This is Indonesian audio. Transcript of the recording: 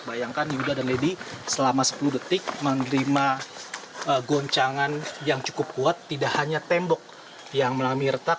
bayangkan yuda dan lady selama sepuluh detik menerima goncangan yang cukup kuat tidak hanya tembok yang mengalami retak